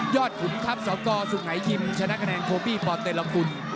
ยอดขุนทัพสกสุขไหนยิมชนะกระแนนโคบีปอตเตรละคุณ